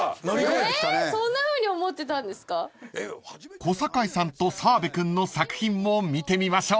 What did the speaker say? ［小堺さんと澤部君の作品も見てみましょう］